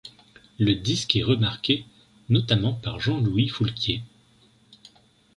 Le disque est remarqué, notamment par Jean-Louis Foulquier.